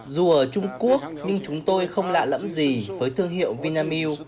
dù ở trung quốc nhưng chúng tôi không lạ lẫm gì với thương hiệu vinamilk